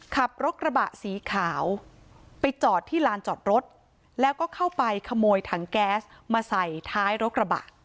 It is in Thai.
ขับรถกระบะสีขาวไปจอดที่ลานจอดรถแล้วก็เข้าไปขโมยถังแก๊สมาใส่ท้ายรถกระบะ